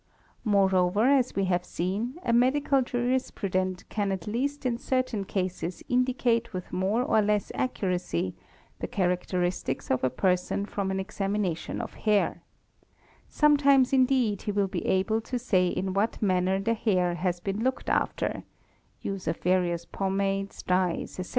Moreover, as we have seen, a medical jurispru dent can at least in certain cases indicate with more or less accuracy the characteristics of a person from an examination of hair; sometimes indeed he will be able to say in what manner the hair has been looked» after (use of various pomades, dyes, etc.)